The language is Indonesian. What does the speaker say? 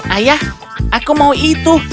ayah aku mau itu